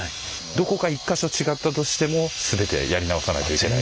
どこか１か所違ったとしても全てやり直さないといけない。